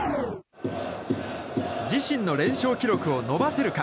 自身の連勝記録を伸ばせるか？